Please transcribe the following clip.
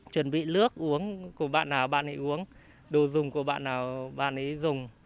chuẩn bị nước uống của bạn nào bạn ấy uống đồ dùng của bạn nào bạn ấy dùng